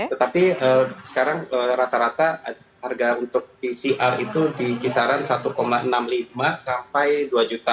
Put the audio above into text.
tetapi sekarang rata rata harga untuk pcr itu di kisaran satu enam puluh lima sampai dua juta